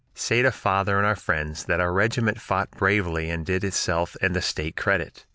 "Say to father and our friends that our regiment fought bravely and did itself and the State credit.